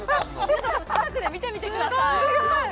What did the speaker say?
近くで見てみてください。